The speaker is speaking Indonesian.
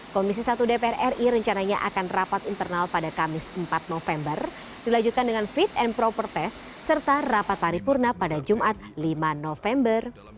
komisi satu dpr ri rencananya akan rapat internal pada kamis empat november dilanjutkan dengan fit and proper test serta rapat paripurna pada jumat lima november dua ribu dua puluh